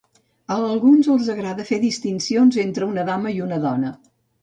A alguns els agrada fer distincions entre una dama i una dona.